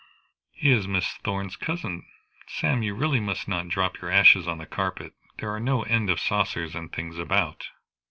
"He is Miss Thorn's cousin. Sam, you really must not drop your ashes on the carpet. There are no end of saucers and things about."